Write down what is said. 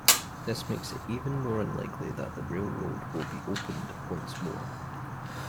This makes it even more unlikely that the railway will be opened once more.